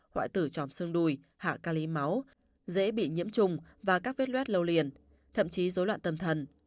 hoại tử tròm xương đùi hạ ca lý máu dễ bị nhiễm trùng và các vết luet lâu liền thậm chí dối loạn tâm thần